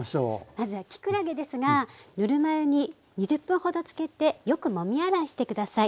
まずはきくらげですがぬるま湯に２０分ほどつけてよくもみ洗いして下さい。